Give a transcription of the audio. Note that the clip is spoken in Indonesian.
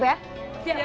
sudah siap ya